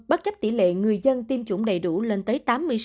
bất chấp tỷ lệ người dân tiêm chủng đầy đủ lên tới tám mươi sáu